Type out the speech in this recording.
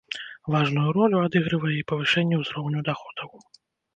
Важную ролю адыгрывае і павышэнне ўзроўню даходаў.